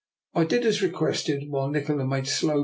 I did as requested, while Nikola made slow DR.